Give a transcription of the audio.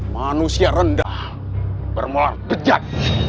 manusia rendah bermolar bejat